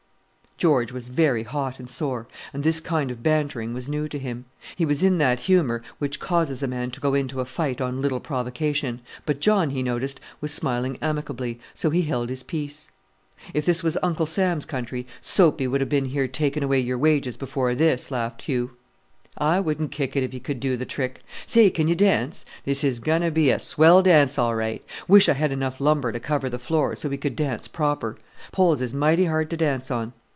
George was very hot and sore; and this sort of bantering was new to him. He was in that humour which causes a man to go into a fight on little provocation; but John, he noticed, was smiling amicably, so he held his peace. "If this was Uncle Sam's country, Soapy would have been here taking away your wages before this," laughed Hugh. "I wouldn't kick if he could do the trick. Say! can you dance? This is going to be a swell dance all right! Wish I had enough lumber to cover the floor, so we could dance proper. Poles is mighty hard to dance on.